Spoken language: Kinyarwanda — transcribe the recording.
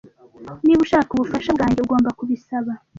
Niba ushaka ubufasha bwanjye, ugomba kubisaba.